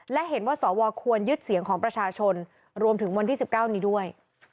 และเห็นว่าสวควรยึดเสียงของประชาชนรวมถึงวันที่๑๙นี้ด้วย